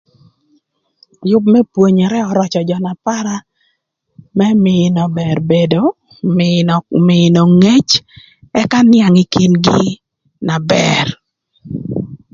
Yüb më pwonyere öröcö jö na para më mïnö bër bedo, mïnö ngec, ëka nïang ï kin-gï na bër.